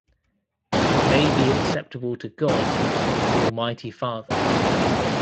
may be acceptable to God, the almighty Father.